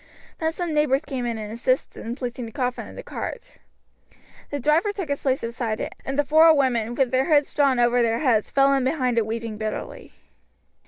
Then some neighbours came in and assisted in placing the coffin in the cart. The driver took his place beside it, and the four women, with their hoods drawn over their heads, fell in behind it weeping bitterly.